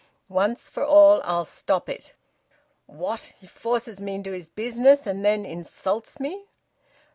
Once for all I'll stop it. What! He forces me into his business, and then insults me!"